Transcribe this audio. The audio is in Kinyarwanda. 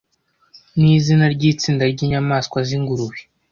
ni izina ryitsinda ryinyamaswa z'Ingurube